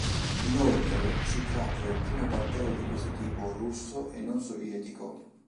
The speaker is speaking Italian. Inoltre, si tratta del primo battello di questo tipo russo e non sovietico.